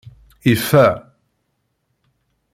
Ifa.